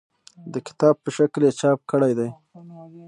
د کتاب په شکل یې چاپ کړي دي.